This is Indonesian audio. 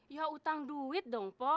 ya utang duit dong